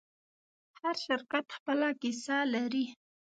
هر شرکت خپله کیسه لري.